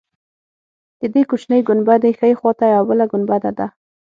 د دې کوچنۍ ګنبدې ښی خوا ته یوه بله ګنبده ده.